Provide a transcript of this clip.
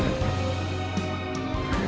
terima kasih rina